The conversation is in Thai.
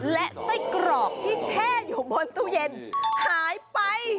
และไส้กรอกที่แช่อยู่บนตู้เย็นหายไป